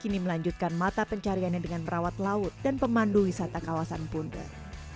kini melanjutkan mata pencariannya dengan merawat laut dan pemandu wisata kawasan punder